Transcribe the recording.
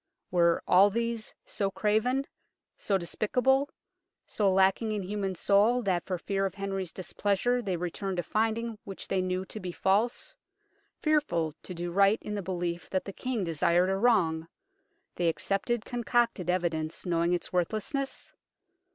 Were all these so craven, so despicable, so lacking in human soul that for fear of Henry's displeasure they returned a finding which they knew to be false, fearful to do right in the belief that the King desired a wrong ; they accepted concocted evidence knowing its worthlessness